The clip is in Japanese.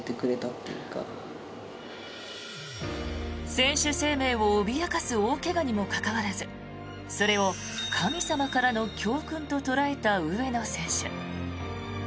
選手生命を脅かす大怪我にもかかわらずそれを神様からの教訓と捉えた上野選手。